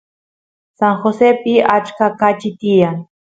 San Josepi achka kachi tiyan